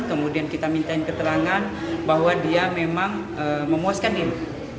kemudian kita minta keterangan bahwa dia memang memuaskan diri